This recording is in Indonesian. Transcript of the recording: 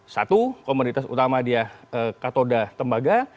satu komoditas utama dia katoda tembaga